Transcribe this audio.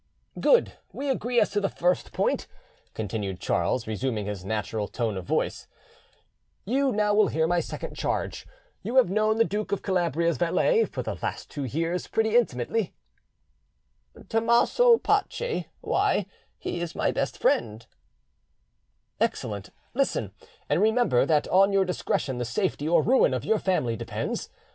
"Good: we agree as to the first point," continued Charles, resuming his natural tone of voice. "You now will hear my second charge. You have known the Duke of Calabria's valet for the last two years pretty intimately?" "Tommaso Pace; why, he is my best friend." "Excellent. Listen, and remember that on your discretion the safety or ruin of your family depends.